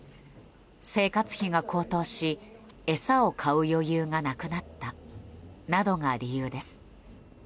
生活費が高騰し餌を買う余裕がなくなったなどが理由です。